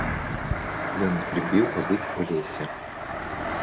Ён любіў пабыць у лесе.